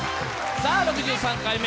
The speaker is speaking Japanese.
６３回目！